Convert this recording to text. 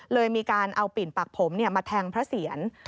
เลยมีการเอาปิ่นปากผมมาแทงพระเสียร